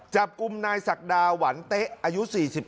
จับกลุ่มนายศักดาหวันเต๊ะอายุ๔๗